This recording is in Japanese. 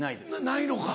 ないのか。